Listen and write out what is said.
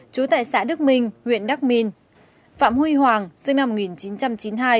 chú tại xã đức minh huyện đắc minh phạm huy hoàng sinh năm một nghìn chín trăm chín mươi hai